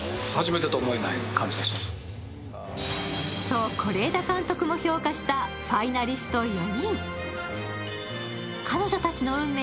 と、是枝監督も評価したファイナリスト４人。